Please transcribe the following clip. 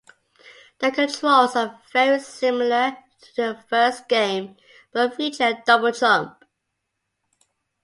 The controls are very similar to the first game, but feature a double-jump.